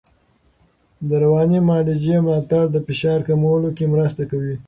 د رواني معالجې ملاتړ د فشار کمولو کې مرسته کوي.